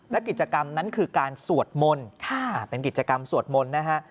และกิจกรรมนั้นคือการสวดมนต์เป็นกิจกรรมสวดมนต์นะฮะ